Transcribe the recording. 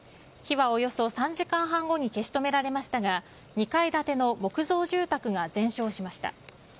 火はおよそ３時間半後に消し止められましたが２階建ての木造住宅が全焼しました。